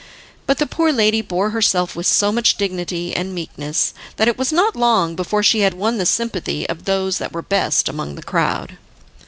But the poor lady bore herself with so much dignity and meekness that it was not long before she had won the sympathy of those that were best among the crowd.